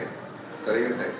hari ini selesai